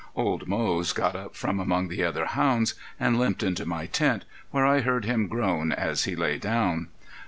Old Moze got up from among the other hounds and limped into my tent, where I heard him groan as he lay down.